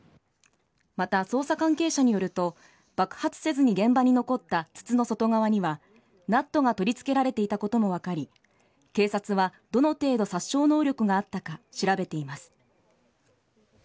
また、捜査関係者によると爆発せずに現場に残った筒の外側にはナットが取り付けられていたことも分かり警察が、どの程度殺傷能力があったか調べています。